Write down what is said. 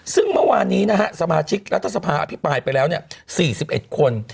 ซึ่งเมื่อวานนี้นะฮะสมาชิกรัฐสภาอภิปรายไปแล้ว๔๑คน